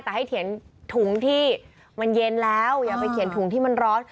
แต่ให้เขียนถุงที่มันเย็นแล้วอย่าไปเขียนถุงที่มันร้อน